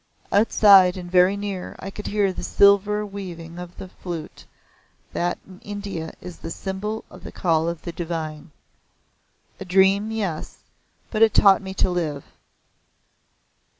Outside and very near I could hear the silver weaving of the Flute that in India is the symbol of the call of the Divine. A dream yes, but it taught me to live.